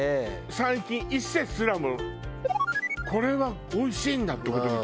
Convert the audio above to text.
最近伊勢すらもこれはおいしいんだって事に気付いたもん。